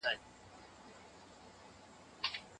واک ته د رسېدو لپاره سياسي سيالي په سوله ييزه توګه کېږي.